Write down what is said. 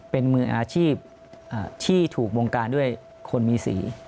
เป็นมืออาชีพที่ถูกวงการด้วยคนมีสี